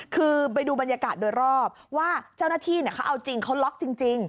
คือไปดูบรรยากาศโดยรอบว่าเจ้าหน้าที่เขาเอาจริงเขาล็อกจริง